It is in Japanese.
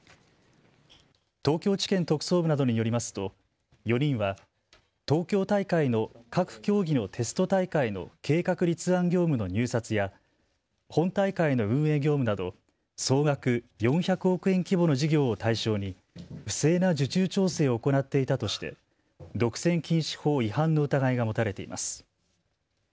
東京地検特捜部などによりますと４人は東京大会の各競技のテスト大会の計画立案業務の入札や本大会の運営業務など総額４００億円規模の事業を対象に不正な受注調整を行っていたとして独占禁止法違反の疑いが持たれています。